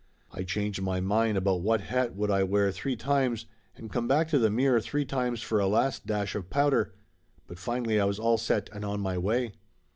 I changed my mind about what hat would I wear three times, and come back to the mirror three times for a last dash of powder. But finally I was all set and on my way.